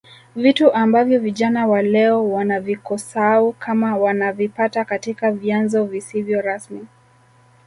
Vitu ambavyo vijana wa leo wanavikosaau kama wanavipata katika vyanzo visivyo rasmi